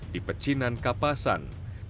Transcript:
di pecinan kapasan